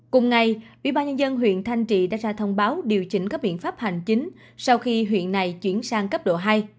cùng ngày bỉa ba nhân dân huyện thanh trì đã ra thông báo điều chỉnh các biện pháp hành chính sau khi huyện này chuyển sang cấp độ hai